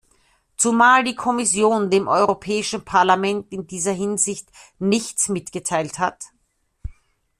Zumal die Kommission dem Europäischen Parlament in dieser Hinsicht nichts mitgeteilt hat?